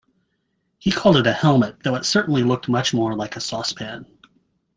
He called it a helmet, though it certainly looked much more like a saucepan.